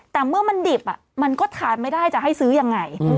แต่เมื่อมันดิบมันก็ทานไม่ได้จะให้ซื้อยังไง